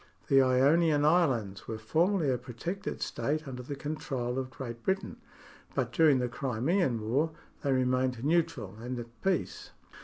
The Ionian Islands were formerly a protected state under the control of Great Britain ; but during the Crimean War they remained neutral and at peace.